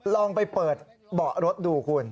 ลองไปเปิดเบาะรถดูคุณ